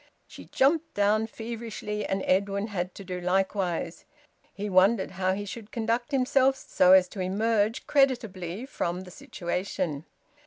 She jumped down feverishly, and Edwin had to do likewise. He wondered how he should conduct himself so as to emerge creditably from the situation.